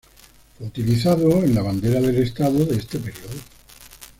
Fue utilizado en la bandera del Estado de este periodo.